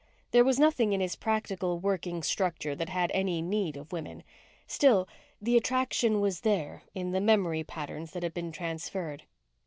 There was nothing in his practical working structure that had any need of women. Still, the attraction was there in the memory patterns that had been transferred.